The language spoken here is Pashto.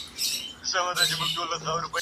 له سنگر څخه سنگر ته خوځېدلی.